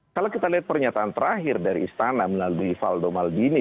kalau kita lihat pernyataan terakhir dari istana melalui valdo maldini